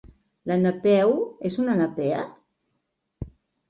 La Napeu és una napea?